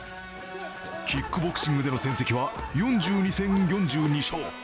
キックボクシングでの戦績は４２戦４２勝。